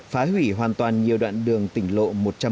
phá hủy hoàn toàn nhiều đoạn đường tỉnh lộ một trăm một mươi bốn